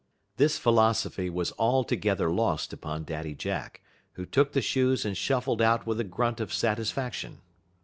This philosophy was altogether lost upon Daddy Jack, who took the shoes and shuffled out with a grunt of satisfaction.